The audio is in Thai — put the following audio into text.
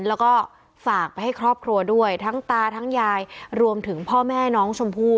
แล้วก็ฝากไปให้ครอบครัวด้วยทั้งตาทั้งยายรวมถึงพ่อแม่น้องชมพู่